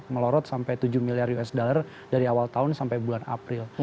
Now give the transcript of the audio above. melorot sampai tujuh miliar usd dari awal tahun sampai bulan april